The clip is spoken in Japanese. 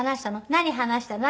何話したの？何？」